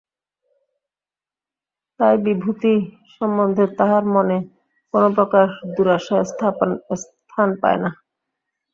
তাই বিভূতি সম্বন্ধে তাঁহার মনে কোনোপ্রকার দুরাশা স্থান পায় নাই।